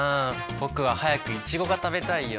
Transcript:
僕は早くイチゴが食べたいよ。